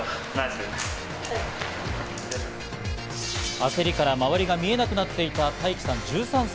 焦りから周りが見えなくなっていたタイキさん、１３歳。